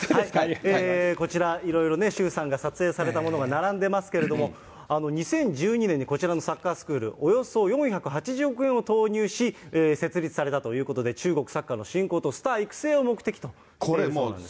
こちら、いろいろ周さんが撮影されたものが並んでますけれども、２０１２年にこちらのサッカースクール、およそ４８０億円を投入し設立されたということで、中国サッカーの振興とスター育成を目的ということなんです。